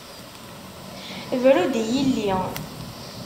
Bru-d i yilli!